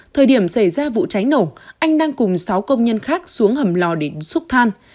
thời điểm xảy ra vụ cháy nổ anh đang cùng sáu công nhân khác xuống hầm lò đến xúc than